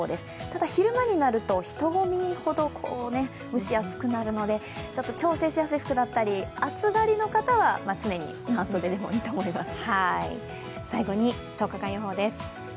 ただ昼間になると人混みほど蒸し暑くなるのでちょっと調整しやすい服だったり、暑がりの方は常に半袖でもいいと思います。